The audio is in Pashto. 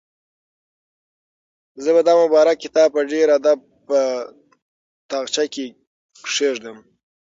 زه به دا مبارک کتاب په ډېر ادب په تاقچه کې کېږدم.